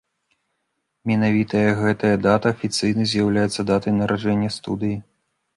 Менавіта гэтая дата афіцыйна з'яўляецца датай нараджэння студыі.